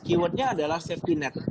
keyword nya adalah safety net